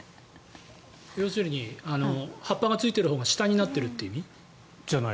要するに葉っぱがついてるほうが下になってるという意味？